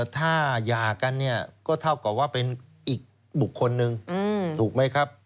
ถ้าหย่ากันเนี่ยก็เท่ากับว่าเป็นอีกบุคคลหนึ่งถูกไหมครับ